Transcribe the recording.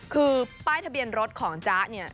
คือป้ายทะเบียนรถของจ๊ะเนี่ย